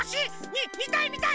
みみたいみたい！